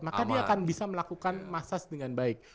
maka dia akan bisa melakukan massage dengan baik